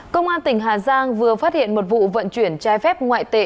công an tỉnh hà giang vừa phát hiện một vụ vận chuyển trái phép ngoại tệ